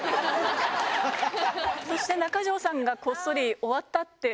そして中条さんがこっそり「終わった」って。